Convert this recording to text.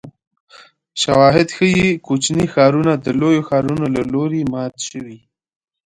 شواهد ښيي کوچني ښارونه د لویو ښارونو له لوري مات شوي